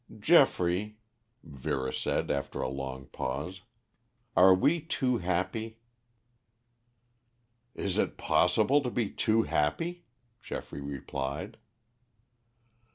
"Geoffrey," Vera said after a long pause, "are we too happy?" "Is it possible to be too happy?" Geoffrey replied.